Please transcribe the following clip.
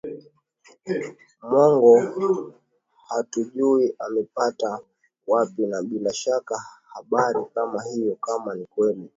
mwongo hatujui amepata wapi na bila shaka habari kama hiyo kama ni kweli